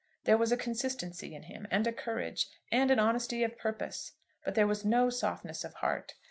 There was a consistency in him, and a courage, and an honesty of purpose. But there was no softness of heart.